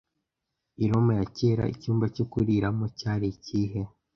I Roma ya kera icyumba cyo kuriramo cyari ikihe